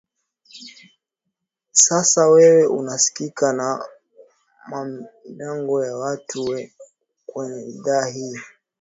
sasa wewe unasikika na mamilioni ya watu kwenye idhaa hii ya